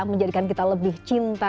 menjadikan kita lebih cinta